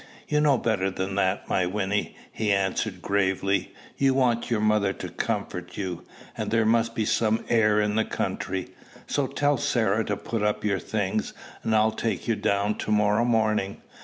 "You know better than that, my Wynnie," he answered gravely. "You want your mother to comfort you. And there must be some air in the country. So tell Sarah to put up your things, and I'll take you down to morrow morning.